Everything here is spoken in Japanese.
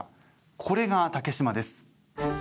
これが竹島です。